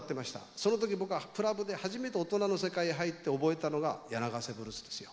その時僕はクラブで初めて大人の世界へ入って覚えたのが「柳ヶ瀬ブルース」ですよ。